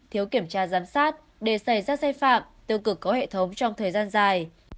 thiếu kiểm tra giám sát để xảy ra sai phạm tiêu cực có hệ thống trong thời gian dài